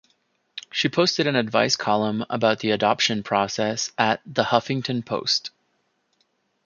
She posted an advice column about the adoption process at "The Huffington Post".